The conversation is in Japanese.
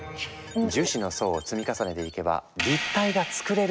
「樹脂の層を積み重ねていけば立体が作れる！！」